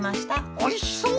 おいしそう！